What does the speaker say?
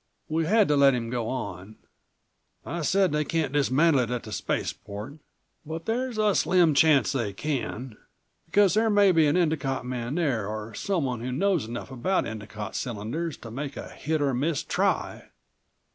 We had to let him go on. I said they can't dismantle it at the spaceport. But there's a slim chance they can ... because there may be an Endicott man there or someone who knows enough about Endicott cylinders to make a hit or miss try.